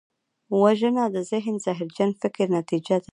وژنه د ذهن زهرجن فکر نتیجه ده